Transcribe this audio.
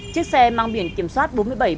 chiếc xe mang biển kiểm soát